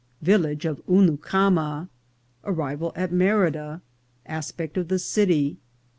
— Village of Hunucama. — Arrival at Merida. — Aspect of the City.